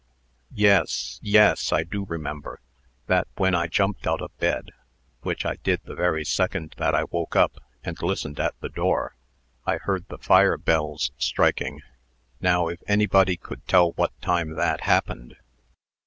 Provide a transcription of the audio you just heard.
"Yes yes; I do remember, that when I jumped out of bed which I did the very second that I woke up and listened at the door, I heard the fire bells striking. Now, if anybody could tell what time that happened."